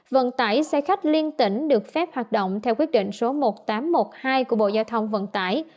vận tải xe khách liên tỉnh được phép hoạt động theo quyết định số một nghìn tám trăm một mươi hai của bộ giao thông vận tải